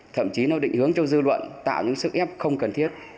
thậm chí nó định hướng cho dư luận tạo những sức ép không cần thiết